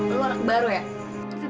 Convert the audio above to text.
eh lo anak baru ya